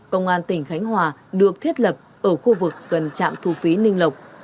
công an tỉnh khánh hòa được thiết lập ở khu vực gần trạm thu phí ninh lộc